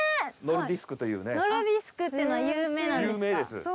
ノルディスクっていうのは有名なんですか？